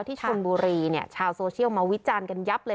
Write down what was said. ที่ชนบุรีเนี่ยชาวโซเชียลมาวิจารณ์กันยับเลย